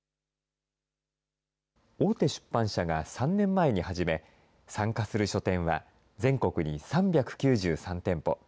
大手出版社が３年前に始め、参加する書店は全国に３９３店舗。